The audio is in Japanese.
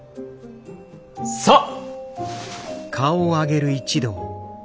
さあ。